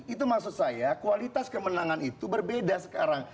itu maksud saya